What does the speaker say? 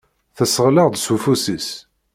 Tesɣel-aɣ-d s ufus-is.